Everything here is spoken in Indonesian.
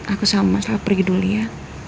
aku sama sama pergi dulu ya